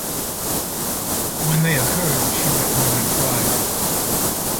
When they occurred she went home and cried.